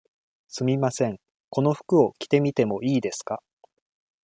すみません、この服を着てみてもいいですか。